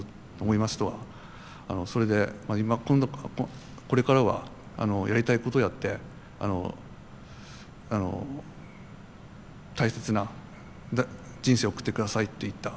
それで今これからはやりたいことをやって大切な人生を送ってくださいといった。